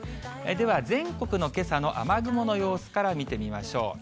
では、全国のけさの雨雲の様子から見てみましょう。